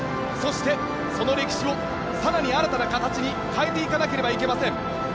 そして、その歴史を更に新たな形に変えていかなければいけません。